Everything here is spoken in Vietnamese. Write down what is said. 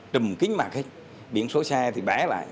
trùm kính mạc hết biển số xe thì bẻ lại